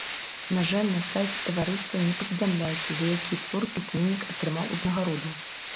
На жаль, на сайце таварыства не паведамляецца, за які твор пісьменнік атрымаў узнагароду.